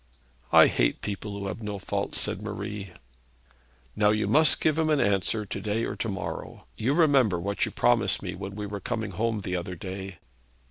'I hate people who have no faults,' said Marie. 'Now you must give him an answer to day or to morrow. You remember what you promised me when we were coming home the other day.'